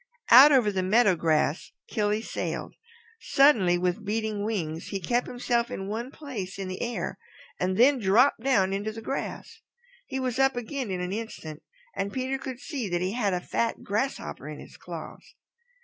Out over the meadow grass Killy sailed. Suddenly, with beating wings, he kept himself in one place in the air and then dropped down into the grass. He was up again in an instant, and Peter could see that he had a fat grasshopper in his claws.